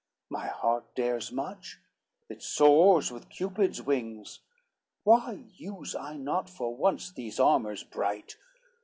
My heart dares much, it soars with Cupid's wings, Why use I not for once these armors bright?